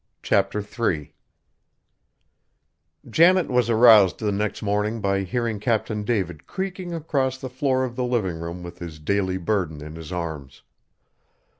CHAPTER III Janet was aroused the next morning by hearing Captain David creaking across the floor of the living room with his daily burden in his arms.